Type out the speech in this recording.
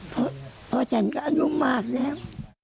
เพราะฉันก็อายุมากแล้ว